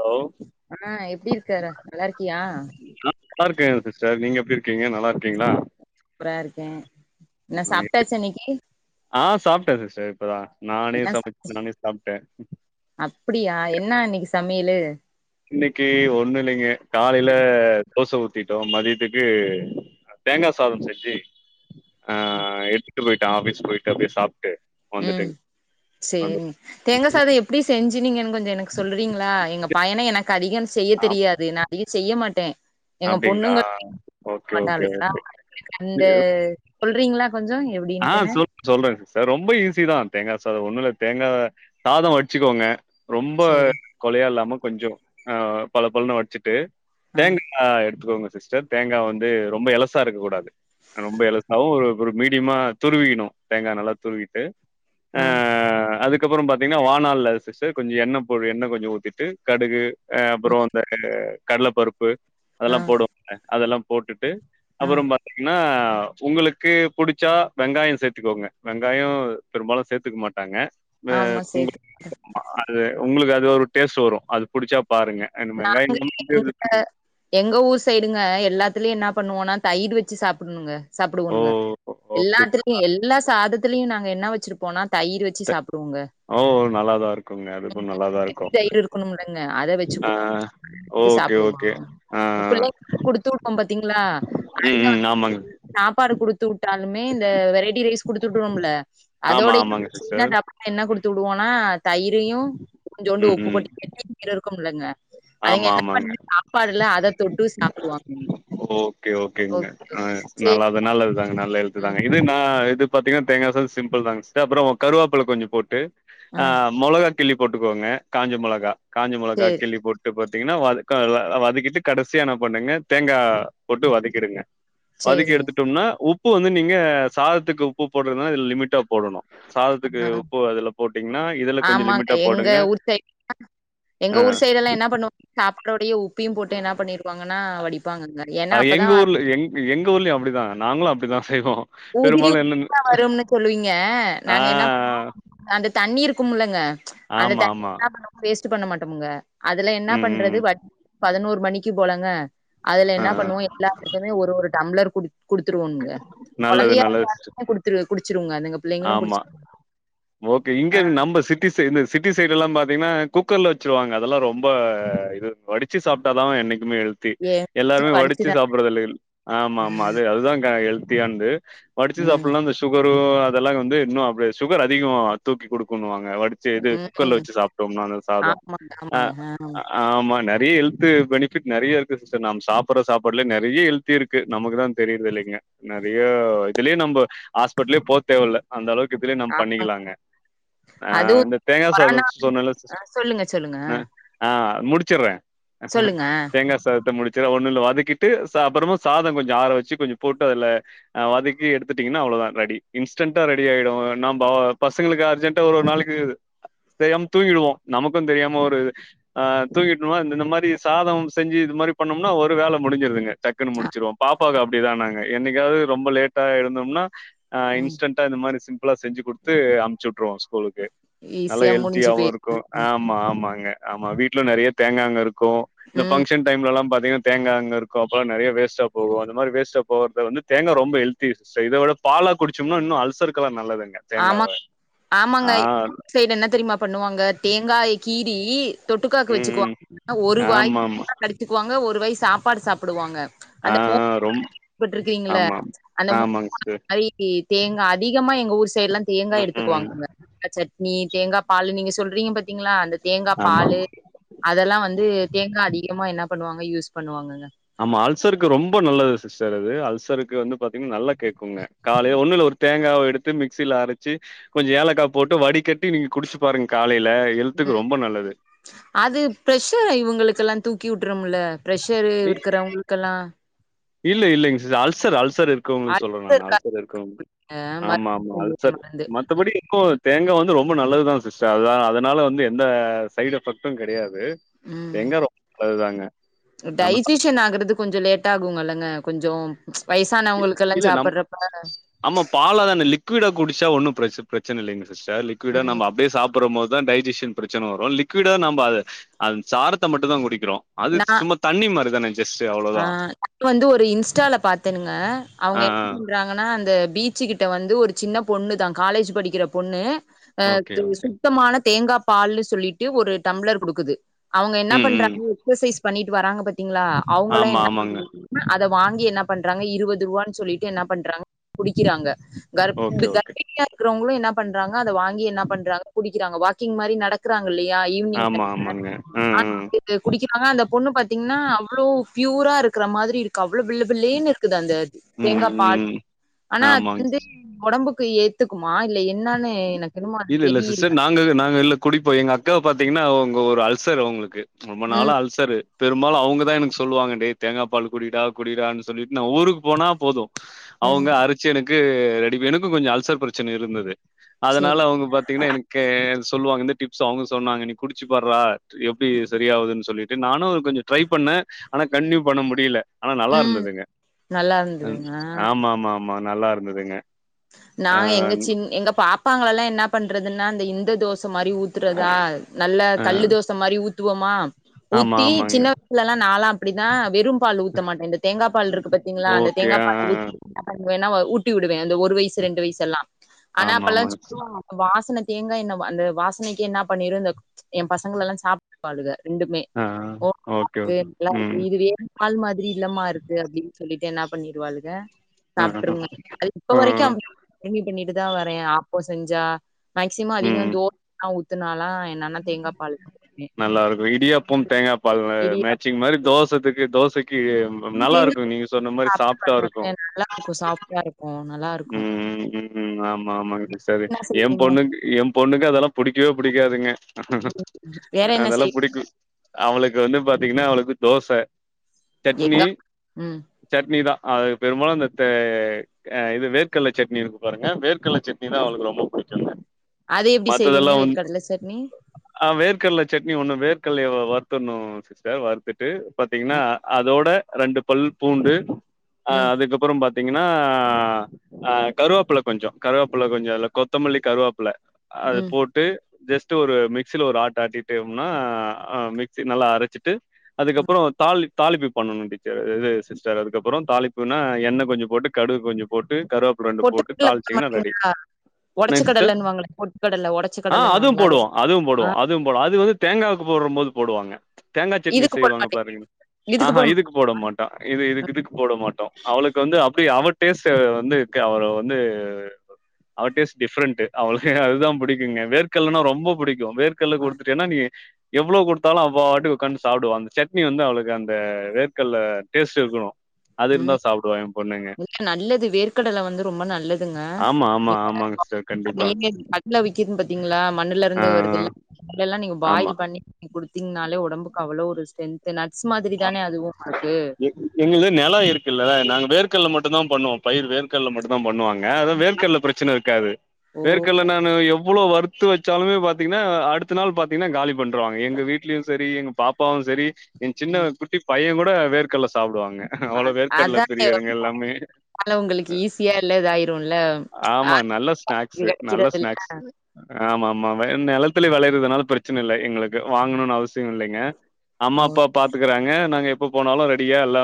Hello ஆ எப்டி இருக்கற நல்லா இருக்கியா நல்லாருக்கே சிஸ்டர் நீங்க எப்டி இருக்கீங்க நல்லா இருக்கீங்களா சூப்பரா இருக்கே என்ன சாப்டாச்சா இன்னைக்கி சாப்டே சிஸ்டர் இப்பதா நானே என்ன சா சமச்சி நானே சாப்டே அப்டியா என்ன இன்னைக்கி சமையலு இன்னைக்கி ஒண்ணு இல்லைங்க காலையில தோச ஊத் திட்டோ மதியத்துக்கு தேங்கா சாதம் செஞ்சு ஆ அப் எத் போய்டோ ஆஃபிஸ் போய்ட்டு அப்டியே சாப்ட்டு ம் வந்துட்டேங்க வந்து செரிங்க தேங்கா சாத எப்டி செஞ்சு நீங்க கொஞ்சோ எனக்கு சொல்றீங்களா எங்க பையன எனக்கு அதிகம் செய்ய தெரியாது நா அதிக செய்ய மாட்டே எங்க அப்டிங்களா பொண்ணுங்க [inaudible] ஓகே ஓகே மாட்டாளுக ஓகே அந்த வந்து சொல்றீங்களா கொஞ்சோ ஆ எப்டின்ட்டுன்னு சொல் சொல்றேங்க சிஸ்டர் ரொம்ப ஈஸி ஸிதா தேங்கா சாதோ ஒண்ணு இல்ல தேங்கா சாதோ வடிச்சுக்கோங்க ரொம்ப சேரி கொலையா இல்லாம கொஞ்சோ பல பலனு வடிச்சிட்டு ஆ தேங்கா எடுத்துக்கோங்க சிஸ்டர் தேங்கா வந்து ரொம்ப இலசா இருக்க கூடாது ரொம்ப இலசாவு ஒரு ஒரு மீடியமா துருவிக்ணு தேங்கா நல்லா துருவிட்டு ஆ அதுக்கு அதுக்கப்பறோ பாத்தீங்கன்னா வானால சிஸ்டர் கொஞ்சோ எண்ணெ பொ எண்ணெ கொஞ்சோ ஊத்திட்டு கடுகு அ அப்றோ ம் இந்த கடல பருப்பு ஆ அதெல்லா போடுவாங்கல அதெல்லா போட்டுட்டு ஆ அப்றோ பாத்தீங்கன்னா உங்களுக்கு புடிச்சா வெங்காயோ சேத்துக்கோங்க வெங்காயோ பெரும்பாலு சேத்துக்க மாட்டாங்க ஆமா சேத்து அ [inaudible] அது உங்களுக்கு அது ஒரு டேஸ்ட் வரு அது புடிச்சா பாருங்க. அந்த வெங்காயம் நாங்க இல்லாம அப்படியே இது எங்க பண்ணி எங்க ஊர் சைடுங்க எல்லாத்துலயு என்னா பண்ணுவோனா தயிர் வெச்சி சாப்டணுங்க ஓ! சாப்டுவோணுங்க ஓ! அப்படியா எல்லாத்திலையு எல்லா சாதத்திலையு நாங் என்னா வெச்சிருப்போனா தயிர் வெச்சி சாப்புடுவோங்க ஓ நல்லாதா இருக்குங்க அதுக்கு ம் நல்லாதா இருக்கு கெட்டி தயிர் இருக்கணும்லங்க அத வச்சு ஆ ஓகே சாப்புடுவோ ஓகே ஆ பிள்ளைங்களுக்கு குடுத்து விடுவோ பாத்தீங்களா அ ம் ம் ஆமாங்க [inaudible] சாப்பாடு குடுத்து குடுத்து விட்டாலுமே இந்த வெரைட்டி ரைஸ் குடுத்துவிட்டுருவோம்ல ஆமா அதோட ஆமாங்க சின்ன சிஸ்டர் டப்பால என்ன குடுத்து குடுத்துவிடுவோனா தயிரையு கொஞ்சோண்டு ம் உப்பு ம் போட்டு [inaudible] இருக்குமில்லங்க அதுங்க ஆமா என்ன ஆமாங்க பண்ணுது சாப்பாடுல அத தொட்டு சாப்டுவாங்க ஓகே ஓகேங்க அ சேரி நல்லது நல்லதுதாங்க நல்ல ம். எழுத்துதாங்க இது நா இது பாத்தீங்கன்னா தேங்கா சாதோ சிம்பிள் தாங்க சிஸ்டர் அப்றோ கருவாப்பழ கொஞ்சோ போட்டு ஆ மொளகா கிள்ளி போட்டுக்கோங்க காஞ்ச மொளகா காஞ்ச மொளகா சேரி கிள்ளி போட்டு பாத்தீங்கன்னா வத வ வதக்கிட்டு கடசியா என்ன பண்ணுங்க தேங்கா போட்டு வதக்கிடுங்க வதக்கி சேரிங்க. எடுத்துட்டோம்னா உப்பு வந்து நீங்க சாதத்துக்கு உப்பு போடுறதுனால இதுல லிமிட்டா போடணு சாதத்துக்கு ஆ உப்பு அதுல போட்டீங்கன்னா இதுல கொஞ்சோ ஆமாங்க லிமிட்டா எங்க போடுங்க ஊர் சைடு எங்க ஆ. ஊர் சைடுலா என்ன பண்ணுவாங்க சாப்டோடையே உப்பையு போட்டு என்ன பண்ணிருவாங்கனா வடிப்பாங்கங்க ஏன்னா ஆ அப்பதா எங்க ஊர்ல எ எங்க ஊர்லயு அப்டிதா நாங்களு அப்டிதா செய்வோ உதிரி உதிரியா வரும்னு சொல்லுவீங்க ஆ, நாங்க என்ன பண்ணுவோ அந்த தண்ணி இருக்குமுல்லங்க அந்த தண்ணி ஆமாமா. என்ன பண்ணுவோ வேஸ்ட்டு பண்ண மாட்டோமுங்க அதுல என்ன ம், பண்றது ம். வத் பதினோரு மணிக்கி போலங்க அதுல ஆ, என்ன ஆ. பண்ணுவோ எல்லாத்துக்குமே ஒரு ஒரு டம்ளர் குடு குடுத்துருவோமுங்க நல்லது, கொழந்தையா நல்லது சிஸ்டர். இருந்தாலுமே குடுத்துரு அதுங்க பிள்ளைங்களு ஆமா குடிச்சிருங்க ஓகே இங்க ஆ நம்ம சிட்டி சைட் இந்த சிட்டி சைடு எல்லா பாத்தீங்கனா குக்கர்ல வச்சுருவாங்க அதெல்லா ரொம்ப இது வடிச்சு சாப்டா தா என்னிக் குமே ஹெல்தி ஏ வீட்ல எல்லாமே வடிச்சு வடிச்சுதா சாப்ட்றதில்லேல் ஆமா ஆமா ம் அது அதுதாக்கா ஹெல்த்தியான்து வடிச்சு ம் சாப்லனா அந்த சுகரூ அதெல்லா வந்து இன்னு அப்டியே சுகர் அதிகோ தூக்கி குடுக்குணூவாங் ஆ வடிச்சி இது குக்கர்ல ம் வச்சு சாப்டோமானா அந்த சாதோ ஆமாங்க அ ஆமாங்க ஆ ஆமாங்க தே ஹெல்து பெனிஃபிட் நெறைய இருக்கு சிஸ்டர் நாம் சாப்பட்ற சாப்பாட்லே நெறைய ஹெல்த் இருக்கு நமக்கு தா தெரிய்றதில்லைங்க நெறைய இதுலே நம்ம ஹாஸ்பிட்லே போ தேவல்ல அந்தளவுக் இப்டே நம் ஆ பண்ணிக்கலாங்க ஆ அதுவு இந்த தேங்கா கொரோனா சாதோச் சொன்னல்ல ஆ ஸ்ட் சொல்லுங்க சொல்லுங்க ஆ அ ஆ முடிச்சுர்றே சொல்லுங்க தேங்கா சாதத்த முடிச் சே ஒன்னுல்ல வதக்கிட்டு ச அப்றமா சாதோ கொஞ்சோ ஆற வச்சு கொஞ்சோ போட்டு அதுல ஆ வதக்கி எடுத்துட்டிங்கன்னா அவ்ள ஓதா ரெடி இன்ஸ்டன்டா ரெடி ஆயிடு நம்ப பசங்களுக்கு அர்ஜென்டா ஒர் ஒர் நாளைக்கு தெயாம் தூங்கிடுவோ நமக்கூ தெரியாம ஒரு ஆ தூங்கிட்டோம்ன இந்த மாரி சாதம் செஞ்சு இது மாரி பண்ணும்னா ஒரு வேல முடிஞ்சிருதுங்க டக்குன் ஆ முடிச்சிருவோ பாப்பாக்கு அப்டிதா நாங்க என்னைக்காவ்து ரொம்ப லேட்டா எழுந்தோம்னா ஆ ம் இன்ஸ்டன்ண்டா இந்த மாரி சிம்பிளா செஞ்சு குடுத்து அம்ச்சிவுட் றோ ஸ்கூலுக்கு நல்லா ஈஸியா முடிஞ்சு ஹெல்த்தியாவு போய் இருக்கூ ஆமா ஆமாங்க ஆமா வீட்ல நெறைய தேங்காங்க இருக்கூ இந்த ம் ஃபங்க்ஷன் டைம்லல்லா பாத்தீங்னாத் தேங்காங்க இருக்கூ அப்றோ நறைய வேஸ்டா போகூ அந்த மாரி வேஸ்டா போக்றத வந்து தேங்கா ரொம்ப ஹெல்த்தி சோ இத விட பாலாக் குடிச்சோம்னா இன்னு அல்சருக்கலா நல்லதுங்க தேங்காவ ஆமா ஆமாங்க ஆ சைடு என்ன தெரியுமா பண்ணுவாங்க தேங்காய கீரி தொட்டுக்காக்கு ம் வச்சுக்குவாங் ம் ஆ ஒரு வாய் ஆமாமா தேங்கா கடிச்சுக்குவாங்க ஒரு வாய் சாப்பாடு சாப்டுவாங்க ஆ அந்த மோ ஆ ரொம் [inaudible] பட்ருக்கீங்கல ஆமா அந்த மோ ஆமாங்க சிஸ்டர் [inaudible] ஐகி தேங்கா அதிகமா எங்க ஊர் சைடுலா தேங்கா ம் ம் எடுத்துக்குவாங்கங்க தேங்கா சட்னி தேங்கா பாலு நீங்க சொல்றீங்க பாத் தீங்களா அந்த தேங்கா ஆமா பாலு அதெல்லா வந்து தேங்காய் அதிகமா என்ன பண்ணுவாங்க யூஸ் பண்ணுவாங்கங்க ஆமா அல்சருக்கு ரொம்ப நல்லது சிஸ்டர் அது அல்சருக்கு வந்து பாத்தீங்னா நல்லா கேக்கூங்க காலே ஒன்னுல ஒரு தேங்காவ எடுத்து மிக்சில அரச்சு கொஞ்சோ ஏலக்கா போட்டு வடிகட்டி நீங்க குடிச்சு பாருங்க காலையில் ம் அது ப்ரஷர இவங்ளுக்கெல்லா தூக்கி விட்ருமுல்ல பிரஷரு இ இருக்கறவுங்ளுக்கெல்லா இல்ல இல்லைங்க சிஸ் அல்சர் அல்சர் இருக்கவுங்ளுக்கு சொல்றே நா அடுத்து நா இருக்காங்க அல்சர் இருக்கவ் ஆமா ஆமா மருந்து அல்சர் மருந்து. மத்தபடி இப்போ தேங்கா வந் து ரொம்ப நல்லதுதா சிஸ்டர் அதா அதனால வந்து எந்த சைட் எஃபெக்ட்டு கெடையாது து தேங்கா ரொம் அதுதாங்க டைஜீஷன் ஆகுறது கொஞ்சோ லேட்டாகுமுல்லங்க கொஞ்சோ இ வயசானவங்களுக்கெல்லா இல்ல நம் சாப்புட்றப்ப ஆமா பாலா தான அந்த லிக் கியுடா குடிச்சா ஒன்னு ப்ரச் ப்ரச்சனல்லைங்க சிஸ்டர் லிக்யூடா ம் நம அப்டியே சாப்பறமோத் தா டைஜீஷன் ப்ரச்சன வரூ லிக்யூடா நம்ப அத அந் சாறத்த மட்டுந்தா குடிக் கிறோ அது நா சும்மா தண்ணி மாரி தானே ஜஸ்ட்டு ஆ அவ்ளோதா ங்க அவுங்க ஆ என்ன ஆ பண்றாங்கனா அந்த பீச்சு கிட்ட வந்து ஒரு சின்ன பொண்ணு தா காலேஜ் படிக்கிற பொண்ணு அ ஓகே து ஓகே சுத்தமான தேங்காப்பால்னு சொல்லிட்டு ஒரு டம்ளர் குடுக்குது அவுங்க என்ன ம் ம் பண்றாங் பண்ணிட்டு வராங்க பாத்தீங்ளா அவங்கலா ஆமா என்ன ஆமாங்க [inaudible] அத வாங்கி என்ன பண்றாங்க இருவது ரூவான் சொல்லிட்டு என்ன பண்றாங்க குடிக்கிறாங்க கர்ப் இந்த ஓகே ஓகே கர்ப்பிணியா இருக்கிறவ்ங்களு என்ன பண்றாங்க னா அத வாங்கி என்ன பண்றாங்க குடிக்கிறாங்க வாக்கிங் மாரி நடக்கிறாங் ஓ இல்லையா ஈவ்னிங் ஆமா டைமுல ஆமாங்க ம் ம் யார்ட்ட பேசு அந்த பொண்ணு பாத்தீங்னா அவ்ளோ ஃபியூரா இருக்குற மாதிரி இருக்கு அவ்ளோ வெள்ள வெள்ளேனு இருக்குது அந்த தேங்கா பால் ம் ம் ஆனா அது ஆமாங் வந்து ஒடம்புக்கு ஏத்துக்குமா இல்ல ஏத் இல்ல இல்ல சிஸ்டர் நாங்கக நாங்க இல்ல குடிப்போ எங்க அக்காவ பாத்தீங்கனா ஒங் ங்க ஒரு அல்சர் அவ்ங்களுக்கு ரொம்ப நாள ம் அல்சரு பெரும்பாலு அவ்ங்க தா எனக்கு சொல்லுவாங்க டே தேங்கா பாலு குடிடா குடிடான்னு சொல்லி நா ஊருக்கு போனா போது ம் அவ்ங்க அரச்சு எனக்கு ரெடி எனக்கு கொஞ்ச அல்சர் பிரச்சன இருந்தது சரி அதனால அவ்ங்க பாத்தீங்கனா எனக்கு சொல்லுவாங்க இந்த டிப்ஸு அவ்ங்க சொன்னாங்க நீ குடிச்சு பார்றா எப்டி செரியாவுதுன் சொல்லிட்டு நானு கொஞ்ச ட்ரை பண்ணே ஆனா கண்ட்டினியூ பண்ண முடிய்ல ஆனா நல்லா ம் இருந்ததுங்க நல்லா ம் இருந்ததுங்க ஆ ஆமாம்மாம்மா நல்லா இருந்ததுங்க நா எங்க ஆஹ் சின் எங்க பாப்பாங்களலா என்ன பண்றதுனா அந்த இந்த தோச மார் இப்டி ஊத்றதா நல்ல கல்லு ஆஹ் தோச மாரி ஊத்துவமா ஆமா ஊத்தி ஆமாங்க சின்ன வய்சுலலா நாலா அப்டித்தா வெறும் பாலு ஊத்த மாட்டே இந்த தேங்கா பால் இருக்கு பாத்தீங்ளா அந்த ஓகே தேங்கா ஆ பால ஆ, ஆ. ஊத் அப்பறமா வேனா வ ஊட்டிவுடுவே அந்த ஒரு வய்சு ரெண்டு வய்சு எல்லா ஆனா ஆமா அப்பலா ஆமாங்க சும்மா வாசனத் தேங்கா எண்ணெ வ அந்த வாசனைக்கே என்னா பண்ணிரு இந்த எ பசங்களெல்லா சாப்ட்பாளுக ரெண்டுமே ஆ [inaudible] ஓகே இருக்கு ஓகே நல்லா இருக்கு ம் இது வேற பால் மாதிரிலமா இருக்கு அப்டின் சொல்லி என்ன பண்ணிருவாளுக ஆ சாப்ட்ருங்க அது இப்ப ஆ வரைக்கம் இது பண்ணிட்டு தா வரே ஆப்போ செஞ்சா மேக்சிம அதிக ம் தோ [inaudible] லா ஊத்துனாலா என்னன்னா தேங்கா பால் நல்லா இருக்கு இடியாப்பம் தேங்கா இ பால் வ இடியாப்பம் மேச்சிங் மாரி தோசத்துக்கு தோசைக் டிய நல்லா தேங்கா இருக்கு நீங்க சொன்ன மாரி சாப்ட்டு சாப்ட்டா இருக்கு நல்லா இருக்கு ம் ம் ஆமா ஆமாங்க பெருசாவே எ பொண்ணுக்கு எ பொண்ணுக்கு அதெல்லா புடிக்கவே புடிக்காதுங்க வேற என்ன அதெல்லா செய் புடிக்கு அவளுக் இங்க வந்து பாத்தீங்னா அவளுக்கு தோச எங்க சட்னி ம். சட்னி தா அது பெரும்பாலு இந்த த அ இது வேர்கட்ல சட்னி இருக்கு பாருங்க வேர்க் கட்ல சட்னி தா அ அவளுக்கு ரொம்ப புடிக்குங்க அது எப்டி செய்வீங்க? மத்ததெல்லா வந் வேர்க்கடல சட்னி? ஆ வேர்க்கட்ல சட்னி ஒன்னு வேர்க் கட்லைய வருத்துற்ணு சிஸ்டர் வருத்துட்டு பாத்தீங்னா அ அதோட ரெண்டு பல் பூண்டு ஆ ம். அதுக்கப்பற பாத்தீங்கனா அ கருவோப்பில கொஞ்ச கருவப்பில்ல கொஞ்ச அதுல கொத்தமல்லி கருவப்பில்ல அது ம். போட்டு ஜஸ்ட்டு ஒரு மிக்சில ஒரு ஆட் ஆட்டிட்டேம்னா ஆ மிக்சி நல்லா அரச்சுட் ட்டு அதுக்கப்பற தாளிப் தாளிப்பி பண்ணணு டீச்சர் இது சிஸ்டர் அதுக்கப்பற தாளிப்புனா எண்ணெ கொஞ்ச போட்டு கடுகு கொஞ்ச போட் கருவேப்பில ரெண்டு போட்டு பொட்டுக்கடல போட தாள்ச்சீங்கனா ரெடி மாட்டீங்களா? ஒடச்ச நெஸ்ட்டு கடலன்னுவாங்களே பொட்டுக்கடல ஒடச்ச ஆ அது கடலன்னுவாங்கல்ல போடுவோ அதுவு ஆ போடுவோ அதுவு போடு அது வந்து தேங்காவுக்கு போ போட்றம் போது போடுவாங்க தேங்கா சட்னி இதுக்கு போட செய்வாங்க மாட்டீங்க பாருங்க நீ ஆ ஹா இதுக்கு போட மாட்டோ இது இதுக்கு இதுக்கு போட மாட்டோ அவளுக்கு வந்து அப்டி அவ டேஸ்ட்டு இப்ப வந்து க அவர வந்து அவ டேஸ்ட் டிஃப்ரெண்ட்டு அவள்க்கே அதுதா புடிக்குங்க வேர்கட்ல்னா ரொம்ப புடிக் கு வேர்கட்ல அ குடுத்துடேனா நீ எவ்ளோ குடுத்தாலு அவபாட்டுக்கு ஒக்காந்து சாப்டுவாங்க அந்த சட் ட்னி வந்து அவளுக்கு அந்த வேர்கட்ல டேஸ்ட் இருக்கணு அது இருந்தா சாப்டுவா எ பொண்ணு ஏங்க நல்லது வேர்க்கடல வந்து ரொம்ப நல்லதுங்க ஆமா ஆமா ஆமாங்க சிஸ்டர் கண்டிப்பா நீங்கன் கட்ல விக்குதுன் பாத்தீங்ளா மண்ணுல ஆ இருந்தே வருதுல்ல முன்னலா ஆ நீங்க ஆமா பாயில் பண்ணி குடுத்தீங்கனாலே ஒடம்புக்கு அவ்வளோ ஒரு ஸ்டென்து நா ஆமா சிஸ்டர் எங்க நில இருக்குல்ல நாங்க வே க்கல்ல மட்டு தா பண்ணுவோ பயிர் வேர்க்கல்ல மட்டு தா பண்ணுவாங்க அதா வேர்கல்ல பிரச்சன இருக்காது ஓ வேர்கல்ல நானு எவ்ளோ வருத் த்து வச்சாலுமே பாத்தீங்கன்னா அடுத்த நாள் பாத்தீங்கன்னா காலி பண்ருவாங்க எங்க வீட்லயு சரி எங்க பாப்பாவு சரி எ சின்ன குட்டி பைய கூட வேர்கல்ல சாப்புடுவாங்க அ அவ்ளோ வேர்க்கல்ல அதானே பிரியருங்க எல்லாமே அதனால உங்களுக்கு ஈஸியா இல்ல இதாயிரும்ல ஆமா நல்ல ஆட்டுக்கு ஸ்நாக்ஸு நல்ல கெடைக்கிறது இல்ல ஸ்நாக்ஸ் ஆமா ஆமா நெலத்துலே வெளையறதுனால பிரச்சன இல்ல எங்களுக்கு வாங்கணும்னு அவசியோ இல்லைங்க அம்மா ஓ அப்பா பாத்துக்கறாங்க நாங்க எப்ப போனாலு ரெடியா எல்லா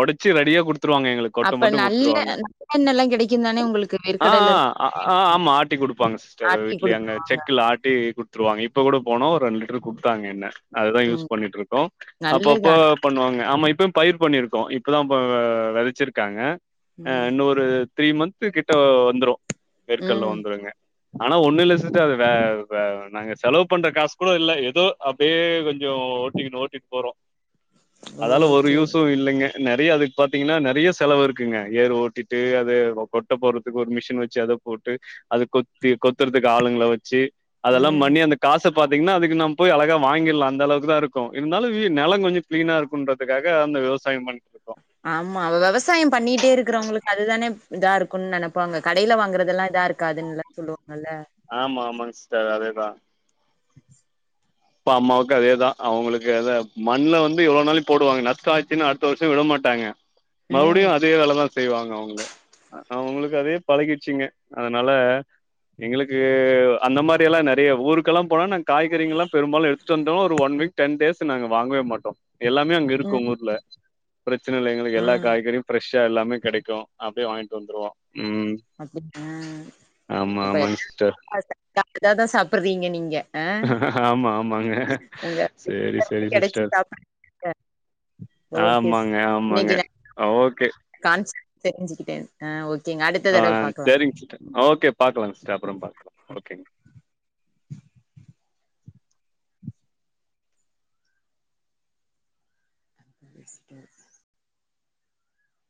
ஒடச்சி ரெடியா குடுத் த்துருவாங்க எங்களுக்கு கொட்ட அப்ப மட்டு நல்ல குடுத்துருவாங்க நல்லெண்ணெல்லா கெடைக்கும் தானே உங்களுக்கு வேர்க்கடைல ஆஹ் ஆஹ் அஹ் ஆமா ஆர்ட்டி குடுப்பாங்க சிஸ்டர் ஆட்டி வீட்லே அங்க குடுத்துருவாங்க செக்ல ஆட்டி குடுத்துருவாங்க இப்ப கூடோ போனோ ரெண்டு லிட்டர் குடுத்தாங்க எண்ண அதுதா ம் யூஸ் பண்ணிட்டு இருக்கோ நல்லது அப்பப்ப ஆனா பண்ணுவாங்க ஆமா இப்ப பயிர் பண்ணிருக்கோ இப்பதாப்பா வெதச்சிருக்காங்க ம் இன்னொ ஒரு த்ரீ மந்த்து கிட்ட வந்துரு வேர்கல்ல ம் வந்துருங்க ஆனா ஒண்ணுஇல்ல சிஸ்டர் அது வே வே நாங்க செலவு பண்ற காசு கூட இல்ல ஏதோ அப்டே கொஞ்சோ தூக்கிட்டு ஓட்டிட்டு போறோ அதால ஒரு ஓகே யூஸு இல்லைங்க நெறைய அதுக்கு பாத்தீங்ன்னா நெறைய செலவு இருக்குங்க ஏர் ஓட்டிட்டு அது கொட்ட போடுறதுக்கு ஒரு மிஷின் வச்சு அத போட்டு அது கொத்தி கொத்தறதுக்கு ஆளுங்கள வச்சி அதெல்லா ம் மண்ணி அந்த காச பாத்தீங்ன்னா அதுக்கு நம் போய் அழகா வாங்கிடலா அந்த அளவுக்கு தா இருக் க்கு இருந்தாலு வீ நெலோ கொஞ்சோ கிளீனா இருக்குன்றதுக்காக அந்த விவசாயோ பண் ஆமா வெவசாய பண்ணிட்டே இருக்கறவங்களுக்கு அதுதானே இதா இருக்குன்னு நெனப்பாங்க கடைல வாங்குறதெல்லா இதா இருக்காதுன்னு எல்லா சொல்லுவாங்கல்ல ஆமா ஆமாங்க சிஸ்டர் அதேதா அப்ப அம்மாவுக்கு அதேதா அவுங்களுக்கு மண்ல வந்து எவ்ளோ நாளு போடுவாங்க நஷ்டோ ஆயிச்சுனா அடுத்த வருஷோ விட மாட் ட்டாங்க ம் மஉடியு அதே வேலதா செய்வாங்க அவுங்க அவுங்களுக்கு அதே பழகிருச்சிங்க அதனால எங்களுக்கு அந்த மாரி எல்லா நெறைய ஊருக்கெல்லா போனா நாங் காய்கறிங்ல்லா பெரும்பாலு எடுத்துட்டு வந்தோ ஒரு ஒன் ம் வீக் டென் டேஸ் நாங்க வாங்கவே மாட்டோ எல்லாமே அங்க ம் இருக்கு ஊர்ல பிரச்சன இல்ல எங்களுக்கு ஆ எல்லா காய்கறியு ஃப்ரெஷ் எல்லாமே கெடைக்கு அப்டே வாங்கிட்டு வந்துருவோ ம் அப்டி [unintelligible] அஹ் ஆமா அப்ப ஆமாங்க சிஸ்டர் [unintelligible] அததா சாப்பிடுறீங்க நீங்க ஆஹ் ஆமா ஆமாங்க சேரி சேரி கெடைச்சி சிஸ்டர் சாப்ப ஓகே ஆமாங்க ஆமாங்க ஓகே கான்ஸ் தெரிஞ்சுகிட்டே ஆஹ் ஓகே ஆஹ் சேரிங்க சிஸ்டர் ஓகே பாக்கலாங்க சிஸ்டர் அப்பறோ பாக்கலா ஓகேங் [inaudible]